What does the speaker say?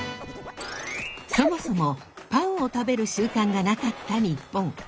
そもそもパンを食べる習慣がなかった日本。